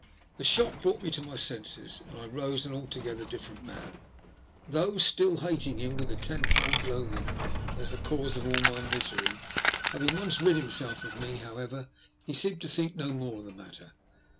The shock brought me to my senses, and I rose an altogether different man, though still hating him with a tenfold loathing as the cause of all my misery. Having once rid himself of me However, he, seemed to think no more of the matter.